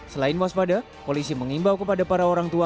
selain waspada polisi mengimbau kepada para orang tua